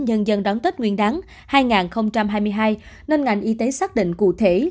nhân dân đón tết nguyên đáng hai nghìn hai mươi hai nên ngành y tế xác định cụ thể